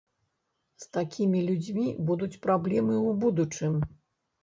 З такімі людзьмі будуць праблемы ў будучым.